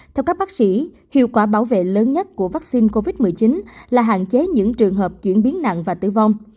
theo các bác sĩ hiệu quả bảo vệ lớn nhất của vaccine covid một mươi chín là hạn chế những trường hợp chuyển biến nặng và tử vong